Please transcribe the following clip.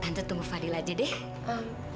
nanti tunggu fadil aja deh